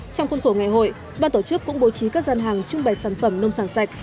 trong khuôn khổ ngày hội ban tổ chức cũng bố trí các gian hàng trưng bày sản phẩm nông sản sạch